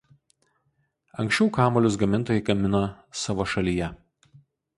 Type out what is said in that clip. Anksčiau kamuolius gamintojai gamino savo šalyje.